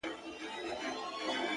o ستا د ښار د ښایستونو په رنګ ـ رنګ یم؛